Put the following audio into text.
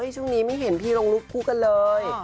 ช่วงนี้ไม่เห็นพี่ลงรูปคู่กันเลย